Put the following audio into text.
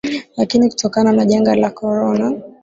lakini kutokana na janga la Corona